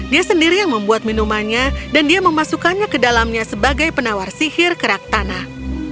dia sendiri yang membuat minumannya dan dia memasukkannya ke dalamnya sebagai penawar sihir kerak tanah